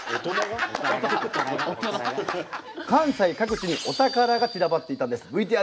関西各地にお宝が散らばっていたんです。